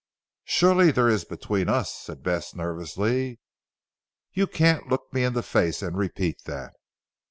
"Surely there is, between us," said Bess nervously. "You can't look me in the face and repeat that."